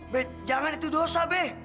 be jangan itu dosa be